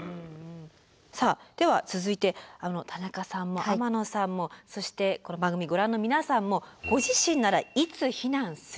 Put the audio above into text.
さあでは続いて田中さんも天野さんもそしてこの番組ご覧の皆さんもご自身ならいつ避難するのか。